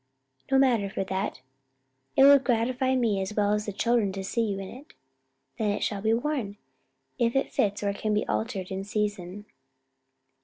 "No matter for that. It would gratify me as well as the children to see you in it." "Then it shall be worn, if it fits or can be altered in season."